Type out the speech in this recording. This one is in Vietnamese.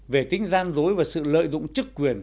về tính gian dối và sự lợi dụng chức quyền